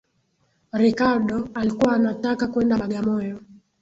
Riccardo alikuwa anataka kwenda Bagamoyo.